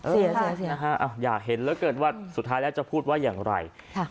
เสียอยากเห็นแล้วสุดท้ายแล้วจะพูดว่าอย่างไร